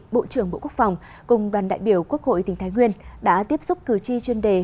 bộ trưởng bộ quốc phòng cùng đoàn đại biểu quốc hội tỉnh thái nguyên đã tiếp xúc cử tri chuyên đề